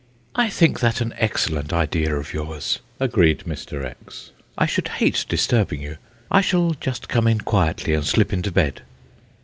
"I think that an excellent idea of yours," agreed Mr. X. "I should hate disturbing you. I shall just come in quietly, and slip into bed."